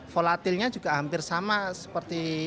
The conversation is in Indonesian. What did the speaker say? volatilnya juga hampir sama seperti